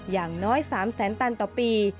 อย่างน้อย๓แสนตันต่อปี